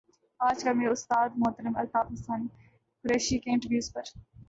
آج کل میں استاد محترم الطاف حسن قریشی کے انٹرویوز پر